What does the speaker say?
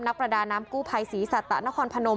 ประดาน้ำกู้ภัยศรีสัตตะนครพนม